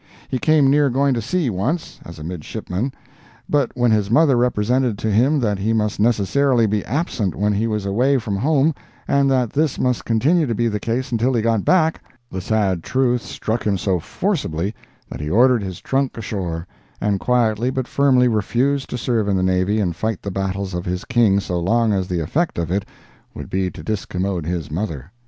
He came near going to sea, once, as a midshipman; but when his mother represented to him that he must necessarily be absent when he was away from home, and that this must continue to be the case until he got back, the sad truth struck him so forcibly that he ordered his trunk ashore, and quietly but firmly refused to serve in the navy and fight the battles of his king so long as the effect of it would be to discommode his mother.